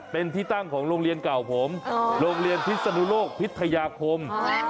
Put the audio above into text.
เป็นที่ตั้งของโรงเรียนเก่าผมโรงเรียนพิศนุโลกพิทยาคม